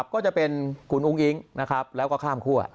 ก็จะเป็นคุณอุ้งอิ๊งนะครับแล้วก็ข้ามคั่ว